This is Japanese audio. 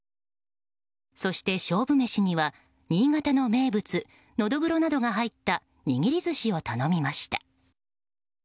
そして勝負メシには新潟の名物ノドグロなどが入った握り寿司を頼みました。